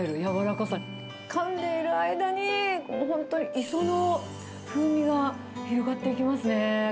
かんでいる間に、本当に磯の風味が広がっていきますね。